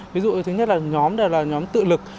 ví dụ thứ nhất là nhóm này là nhóm tự lực